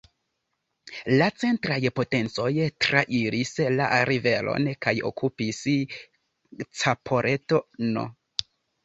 La centraj potencoj trairis la riveron kaj okupis Caporetto-n.